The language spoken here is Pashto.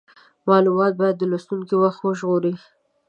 مالومات باید د لوستونکي وخت وژغوري.